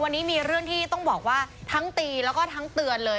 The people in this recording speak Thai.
วันนี้มีเรื่องที่ต้องบอกว่าทั้งตีแล้วก็ทั้งเตือนเลย